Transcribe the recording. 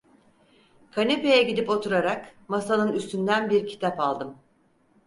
Kanepeye gidip oturarak masanın üstünden bir kitap aldım.